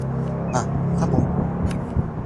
Ah, tá bom